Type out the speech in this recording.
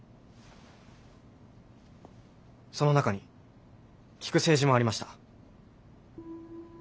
その中に聞く政治もありました。